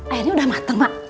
airnya udah mateng mak